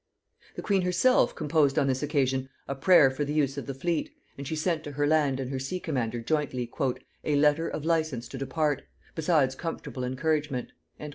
The queen herself composed on this occasion a prayer for the use of the fleet, and she sent to her land and her sea commander jointly "a letter of license to depart; besides comfortable encouragement."